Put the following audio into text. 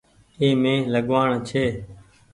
اي مين لگوآڻ ڇي۔